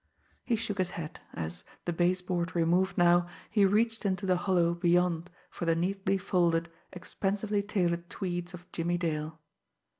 He shook his head, as, the base board removed now, he reached into the hollow beyond for the neatly folded, expensively tailored tweeds of Jimmie Dale.